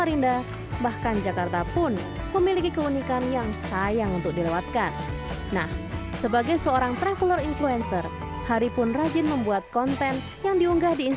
ini sejauh ini kayaknya dari yang paling seru itu kayaknya manado deh